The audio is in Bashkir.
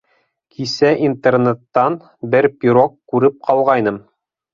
Кисә интернеттан бер пирог күреп ҡалғайным.